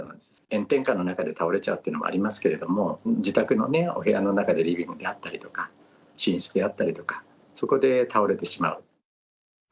炎天下の中で倒れちゃうというのもありますけれども、自宅のお部屋の中で、リビングであったりとか、寝室であったりとか、そこで倒れてしまう。